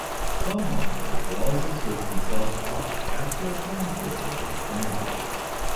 Some monitors will also switch themselves off after a time period on standby.